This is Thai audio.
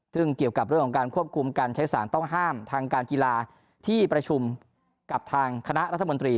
ซึ่งเกี่ยวกับเรื่องของการควบคุมการใช้สารต้องห้ามทางการกีฬาที่ประชุมกับทางคณะรัฐมนตรี